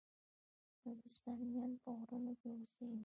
نورستانیان په غرونو کې اوسیږي؟